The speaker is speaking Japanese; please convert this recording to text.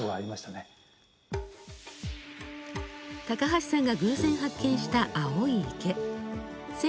高橋さんが偶然発見した青い池。